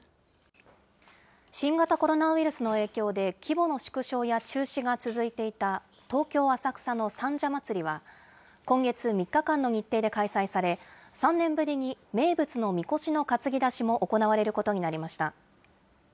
新型コロナウイルスの影響で、規模の縮小や中止が続いていた東京・浅草の三社祭は、今月３日間の日程で開催され、３年ぶりに名物のみこしの担ぎ出しも行われることになりました。